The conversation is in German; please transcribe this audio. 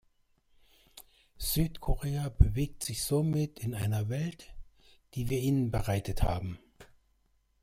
Südkorea bewegt sich somit in einer Welt, die wir ihnen bereitet haben.